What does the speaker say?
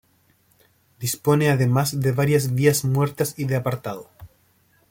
Dispone además de varias vías muertas y de apartado.